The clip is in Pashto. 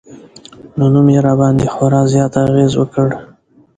نو نوم يې راباندې خوړا زيات اغېز وکړ